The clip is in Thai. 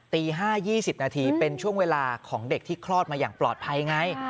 ตี๕๒๐นาทีเป็นช่วงเวลาของเด็กที่คลอดมาอย่างปลอดภัยไง